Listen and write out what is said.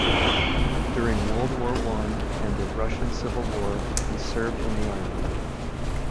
During World War One and the Russian Civil War he served in the army.